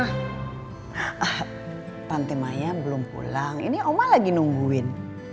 ah panti maya belum pulang ini oma lagi nungguin